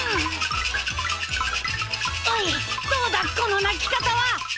おいどうだこの鳴き方は？